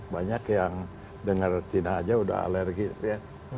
banyak yang dengar cina saja sudah alergis ya